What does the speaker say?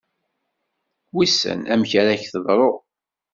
Wissen amek ara ak-teḍru.